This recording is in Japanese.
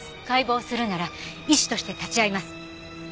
解剖するなら医師として立ち会います。